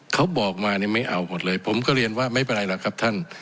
เขาบอกมาเนี่ยไม่เอาหมดเลยผมก็เรียนว่าไม่เป็นไรหรอกครับท่าน